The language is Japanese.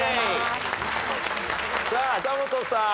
さあ久本さん。